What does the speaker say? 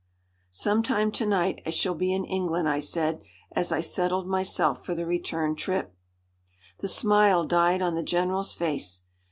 "Some time to night I shall be in England," I said as I settled myself for the return trip. The smile died on the general's face.